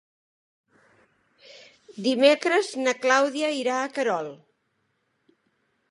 Dimecres na Clàudia irà a Querol.